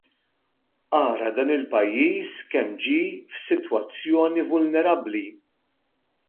Ara dan il-pajjiż kemm ġie f'sitwazzjoni vulnerabbli!